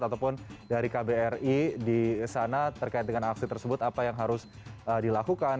ataupun dari kbri di sana terkait dengan aksi tersebut apa yang harus dilakukan